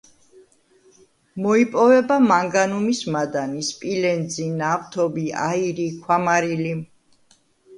მოიპოვება მანგანუმის მადანი, სპილენძი, ნავთობი, აირი, ქვამარილი.